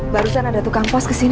barusan ada tukang pos kesini